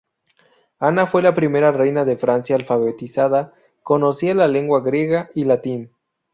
Ana fue la primera reina de Francia alfabetizada; conocía la lengua griega y latín.